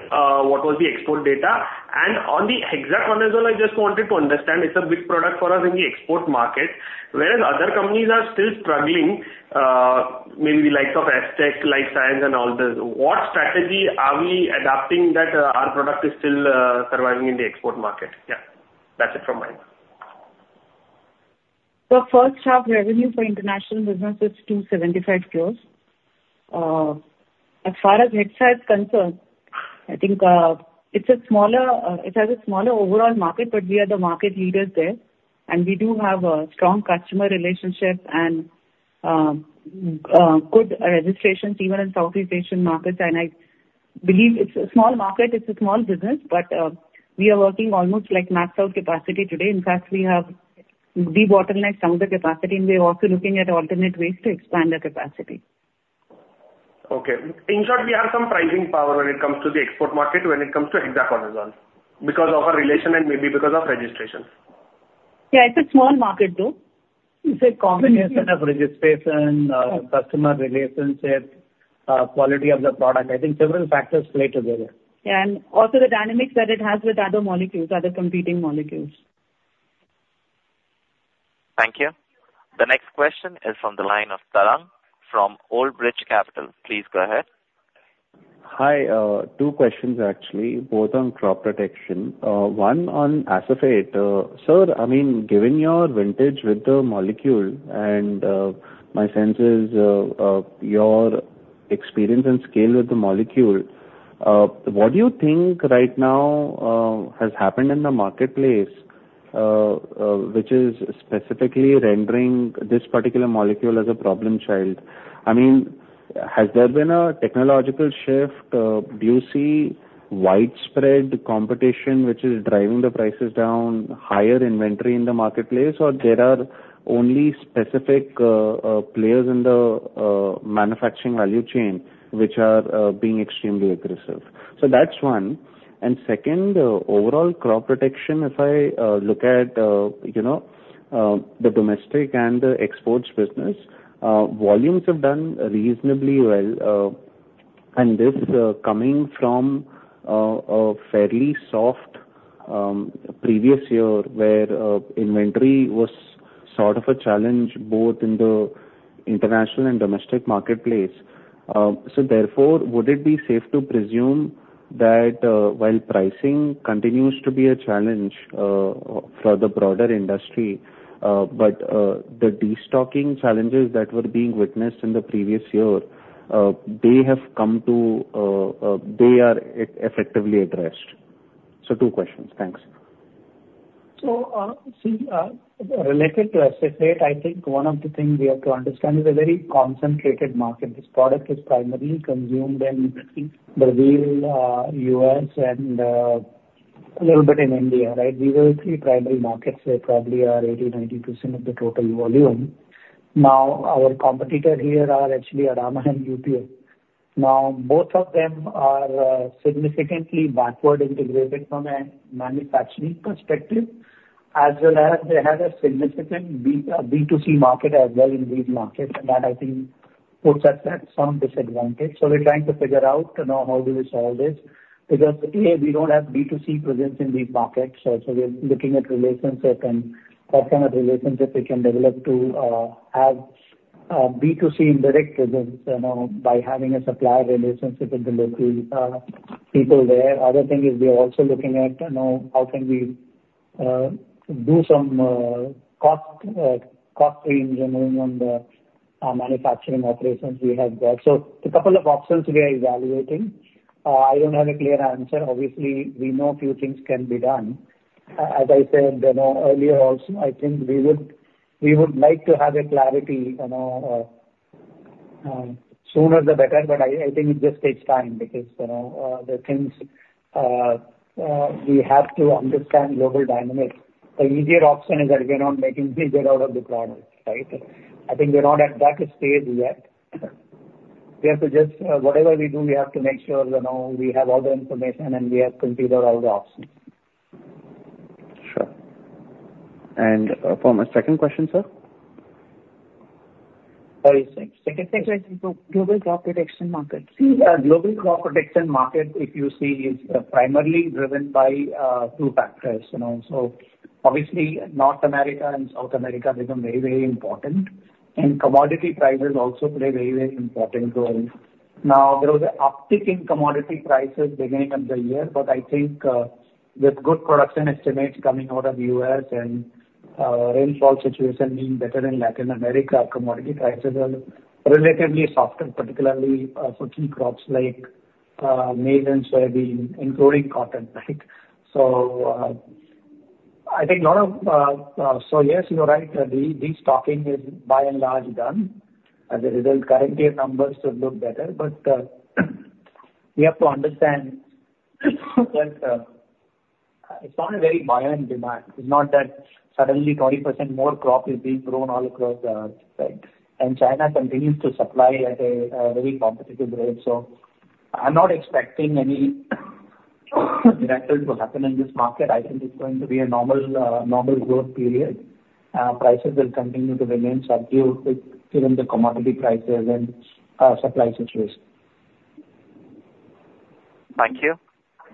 what was the export data? And on the Acephate as well, I just wanted to understand, it's a big product for us in the export market, whereas other companies are still struggling, maybe the likes of UPL, Syngenta and all this. What strategy are we adapting that our product is still surviving in the export market? Yeah, that's it from my end. First half revenue for international business is 275 crore. As far as herbicide side is concerned, I think it's a smaller, it has a smaller overall market, but we are the market leaders there, and we do have strong customer relationships and good registrations even in Southeast Asian markets. I believe it's a small market, it's a small business, but we are working almost like maxed out capacity today. In fact, we have debottlenecked some of the capacity, and we're also looking at alternate ways to expand the capacity. Okay. In short, we have some pricing power when it comes to the export market, when it comes to exact orders on, because of our relationship and maybe because of registration. Yeah, it's a small market, though. It's a combination of registration, customer relationship, quality of the product. I think several factors play together. Yeah, and also the dynamics that it has with other molecules, other competing molecules. Thank you. The next question is from the line of Tarang from Old Bridge Capital Management. Please go ahead. Hi. Two questions actually, both on crop protection. One on Acephate. Sir, I mean, given your vintage with the molecule, and my sense is, your experience and scale with the molecule, what do you think right now has happened in the marketplace, which is specifically rendering this particular molecule as a problem child? I mean, has there been a technological shift? Do you see widespread competition which is driving the prices down, higher inventory in the marketplace, or there are only specific players in the manufacturing value chain which are being extremely aggressive? So that's one. And second, overall crop protection, if I look at, you know, the domestic and the exports business, volumes have done reasonably well, and this coming from a fairly soft previous year, where inventory was sort of a challenge both in the international and domestic marketplace. So therefore, would it be safe to presume that, while pricing continues to be a challenge for the broader industry, but the destocking challenges that were being witnessed in the previous year, they have come to, they are effectively addressed? So two questions. Thanks. So, see, related to Acephate, I think one of the things we have to understand, it's a very concentrated market. This product is primarily consumed in Brazil, U.S. and a little bit in India, right? These are the three primary markets, where probably are 80%-90% of the total volume. Now, our competitor here are actually Adama and UPL. Now, both of them are significantly backward integrated from a manufacturing perspective, as well as they have a significant B2C market as well in these markets, and that, I think, puts us at some disadvantage. So we're trying to figure out, you know, how do we solve this? Because, A, we don't have B2C presence in these markets, so, so we're looking at relationship and what kind of relationship we can develop to, have, B2C indirect presence, you know, by having a supplier relationship with the local, people there. Other thing is we are also looking at, you know, how can we, do some, cost engineering on the, manufacturing operations we have there. So a couple of options we are evaluating. I don't have a clear answer. Obviously, we know few things can be done. As I said, you know, earlier also, I think we would like to have a clarity, you know, sooner the better, but I think it just takes time because, you know, the things we have to understand global dynamics. The easier option is that we're not making big get out of the product, right? I think we're not at that stage yet. We have to just whatever we do, we have to make sure, you know, we have all the information, and we have considered all the options. Sure. And, for my second question, sir? Sorry, second question. Global crop protection market. See, global crop protection market, if you see, is primarily driven by two factors, you know. So obviously, North America and South America become very, very important, and commodity prices also play a very, very important role. Now, there was an uptick in commodity prices beginning of the year, but I think, with good production estimates coming out of the U.S. and, rainfall situation being better in Latin America, commodity prices are relatively softer, particularly, for key crops like, maize and soybean, including cotton, right? So, yes, you are right, the destocking is by and large done. As a result, current year numbers should look better. But, we have to understand, well. It's not a very buoyant demand. It's not that suddenly 20% more crop is being grown all across the earth, right? And China continues to supply at a very competitive rate. So I'm not expecting any miracle to happen in this market. I think it's going to be a normal growth period. Prices will continue to remain subdued, with given the commodity prices and supply situation. Thank you.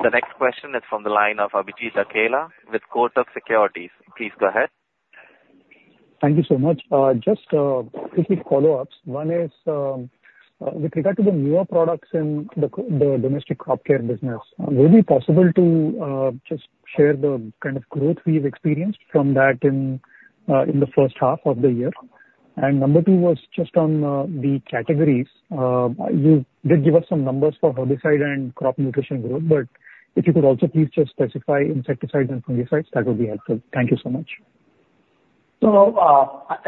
The next question is from the line of Abhijit Akella with Kotak Securities. Please go ahead. Thank you so much. Just, quickly follow-ups. One is, with regard to the newer products in the domestic crop care business, would it be possible to, just share the kind of growth we've experienced from that in the first half of the year? Number two was just on the categories. You did give us some numbers for herbicide and crop nutrition growth, but if you could also please just specify insecticides and fungicides, that would be helpful. Thank you so much. I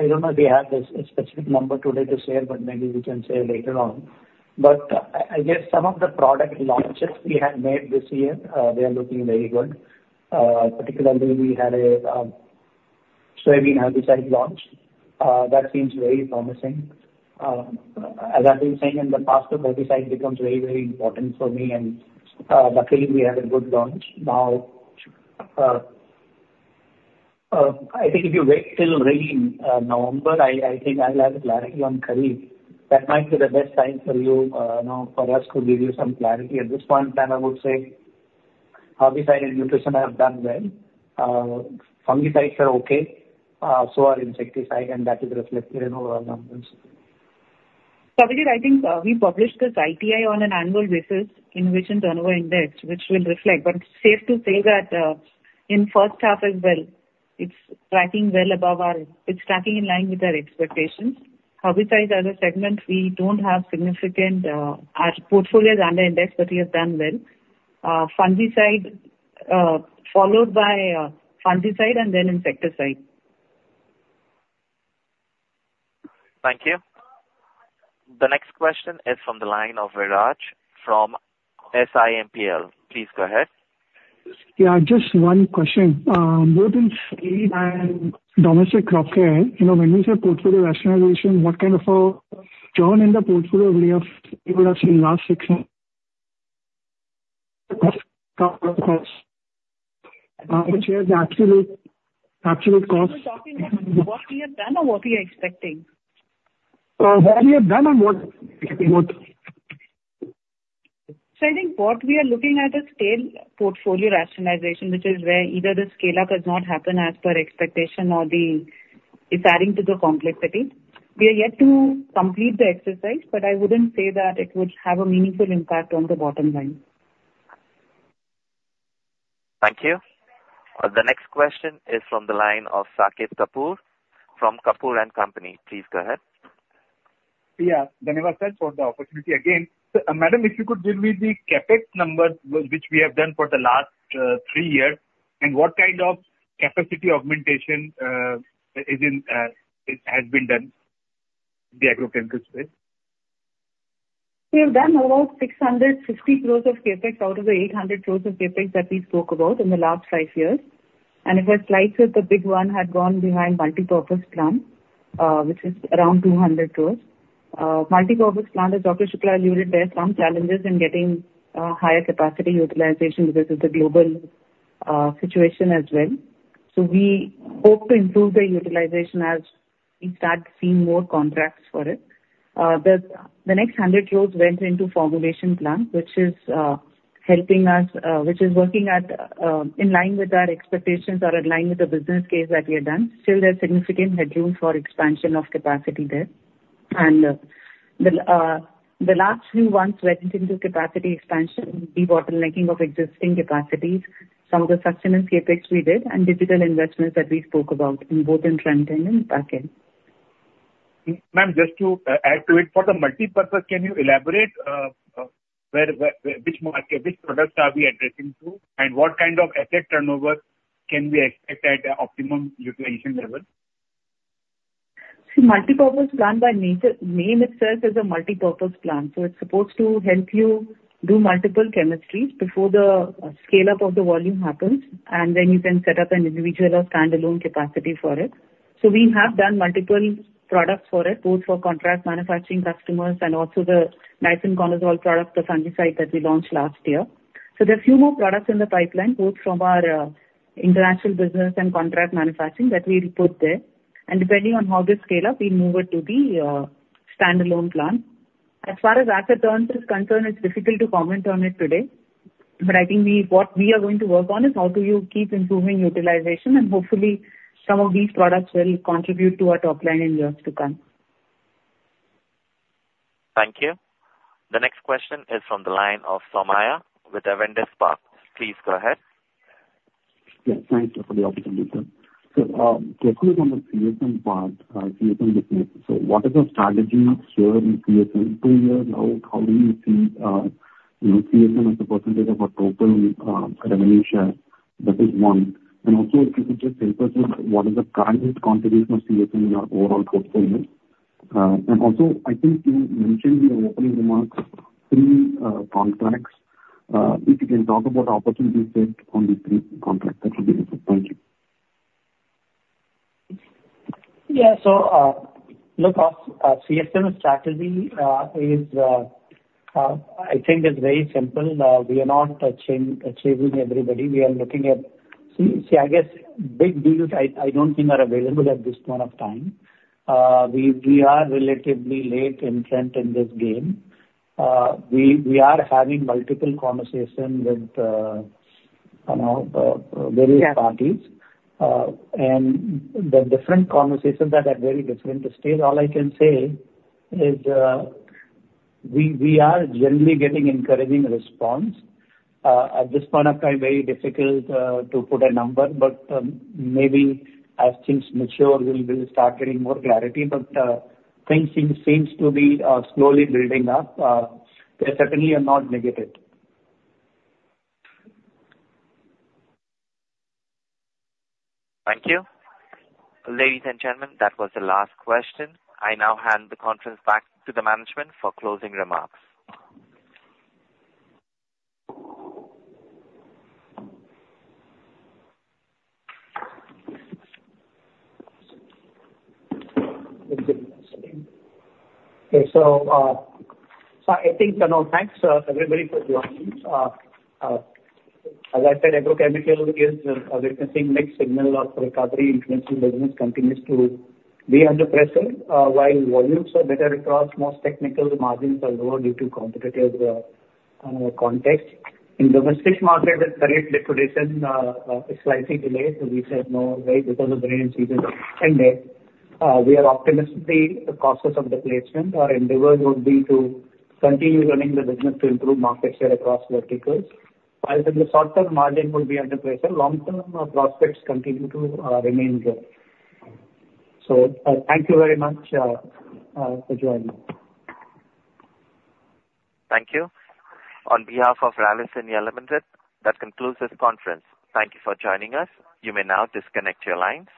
don't know if we have a specific number today to share, but maybe we can share later on. But I guess some of the product launches we have made this year, they are looking very good. Particularly we had a soybean herbicide launch that seems very promising. As I've been saying in the past, the herbicide becomes very, very important for me, and luckily, we had a good launch. Now, I think if you wait till maybe November, I think I'll have clarity on Kharif. That might be the best time for you, you know, for us to give you some clarity. At this point in time, I would say, herbicide and nutrition have done well. Fungicides are okay, so are insecticide, and that is reflected in our numbers. Abhijit, I think we publish this ITI on an annual basis, in which turnover index, which will reflect. But it's safe to say that in first half as well, it's tracking well above our. It's tracking in line with our expectations. Herbicides as a segment, we don't have significant, our portfolios are under index, but we have done well. Fungicide followed by fungicide and then insecticide. Thank you. The next question is from the line of Viraj from SiMPL. Please go ahead. Yeah, just one question. Both in seed and domestic crop care, you know, when you say portfolio rationalization, what kind of a churn in the portfolio we have, we would have seen in last six months? Absolute, absolute cost. Are you talking about what we have done or what we are expecting? What we have done and what, both. So I think what we are looking at is scale portfolio rationalization, which is where either the scale-up does not happen as per expectation or it's adding to the complexity. We are yet to complete the exercise, but I wouldn't say that it would have a meaningful impact on the bottom line. Thank you. The next question is from the line of Saket Kapoor, from Kapoor & Co. Please go ahead. Yeah. Thank you, sir, for the opportunity again. So, madam, if you could give me the CapEx numbers which we have done for the last three years, and what kind of capacity augmentation has been done in the agrochemical space? We have done about 660 crore of CapEx out of the 800 crore of CapEx that we spoke about in the last five years. And if I slice it, the big one had gone behind multipurpose plant, which is around 200 crore. Multipurpose plant, as Dr. Shukla alluded, there are some challenges in getting higher capacity utilization because of the global situation as well. So we hope to improve the utilization as we start seeing more contracts for it. The next 100 crore went into formulation plant, which is helping us, which is working at in line with our expectations or in line with the business case that we have done. Still, there's significant headroom for expansion of capacity there. The last few months went into capacity expansion, debottlenecking of existing capacities, some of the sustainment CapEx we did, and digital investments that we spoke about in both front-end and back-end. Ma'am, just to add to it, for the multipurpose, can you elaborate where, which market, which products are we addressing to, and what kind of asset turnover can we expect at the optimum utilization level? See, multipurpose plant by nature, name itself is a multipurpose plant, so it's supposed to help you do multiple chemistries before the scale-up of the volume happens, and then you can set up an individual or standalone capacity for it. So we have done multiple products for it, both for contract manufacturing customers and also the difenoconazole product, the fungicide that we launched last year. So there are a few more products in the pipeline, both from our international business and contract manufacturing, that we'll put there. And depending on how they scale up, we move it to the standalone plant. As far as asset turnover is concerned, it's difficult to comment on it today, but I think what we are going to work on is how do you keep improving utilization, and hopefully some of these products will contribute to our top line in years to come. Thank you. The next question is from the line of Somaiah with Avendus Spark. Please go ahead. Yeah, thank you for the opportunity, sir. So, quickly on the CSM part, CSM business, so what is the strategy next year in CSM? Two years, how do you see, you know, CSM as a percentage of our total revenue share? That is one. And also, if you could just help us with what is the current contribution of CSM in our overall portfolio?... and also, I think you mentioned in your opening remarks three contracts. If you can talk about opportunities based on the three contracts, that would be helpful. Thank you. Yeah. So, look, our CSM strategy is, I think, very simple. We are not touching everybody. We are looking at. I guess big deals I don't think are available at this point of time. We are having multiple conversations with, you know, various parties. Yeah. And the different conversations are at very different stage. All I can say is, we are generally getting encouraging response. At this point of time, very difficult to put a number, but maybe as things mature, we will start getting more clarity. But things seem to be slowly building up. We certainly are not negative. Thank you. Ladies and gentlemen, that was the last question. I now hand the conference back to the management for closing remarks. Okay, so, so I think, you know, thanks, everybody, for joining. As I said, agrochemical is witnessing mixed signal of recovery. Intermediates business continues to be under pressure, while volumes are better across most technical margins are lower due to competitive, you know, context. In domestic market, the current liquidation slightly delayed, so we said no way because the rainy season ended. We are optimistic the causes of the placement. Our endeavors would be to continue running the business to improve market share across verticals. While in the short-term, margin will be under pressure, long-term, prospects continue to remain good. So, thank you very much, for joining. Thank you. On behalf of Rallis India Limited, that concludes this conference. Thank you for joining us. You may now disconnect your lines.